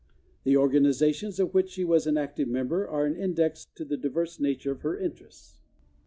The organizations of which she was an active member are an index to the diverse nature of her interests.